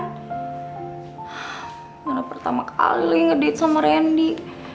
gimana pertama kali ngedate sama randy